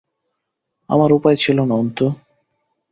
আমার উপায় ছিল না অন্তু।